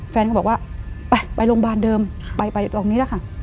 แฟนก็บอกว่าไปไปโรงพยาบาลเดิมไปไปตรงนี้แหละค่ะ